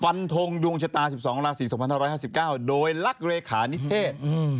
ฟันทงดวงชะตา๑๒ราศี๒๕๕๙โดยรักเลขานิเทศ